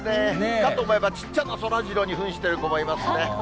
かと思えば、ちっちゃなそらジローにふんしている子もいますね。